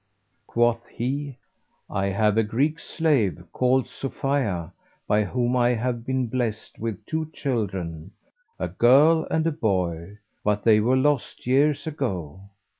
Quoth he, 'I have a Greek slave called Sophia, by whom I have been blessed with two children, a girl and a boy; but they were lost; years ago.